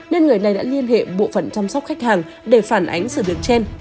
nên người này đã liên hệ bộ phận chăm sóc khách hàng để phản ánh sự được chen